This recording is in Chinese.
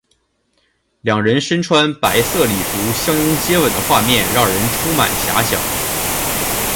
两人身穿白色礼服相拥接吻的画面让人充满遐想。